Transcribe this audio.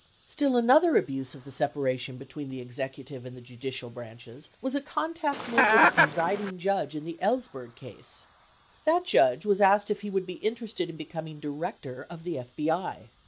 Still another abuse of the separation between the executive and judi cial branches, w T as a contact made with the presiding judge in the Ellsberg case. That judge was asked if he would be interested in be coming Director of the FBI.